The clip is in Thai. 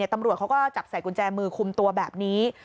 ตำรวจเขาก็จับใส่กุญแจมือคุมตัวแบบนี้